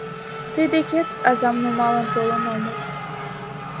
— Тый декет азам нумалын толын омыл...